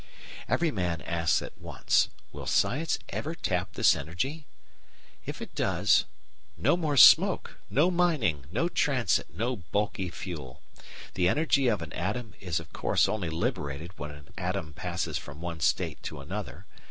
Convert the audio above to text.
Every man asks at once: "Will science ever tap this energy?" If it does, no more smoke, no mining, no transit, no bulky fuel. The energy of an atom is of course only liberated when an atom passes from one state to another.